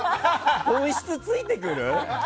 本質突いてくる？